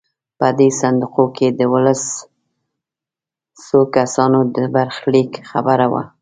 په دې صندوقونو کې د دولس سوه کسانو د برخلیک خبره وه.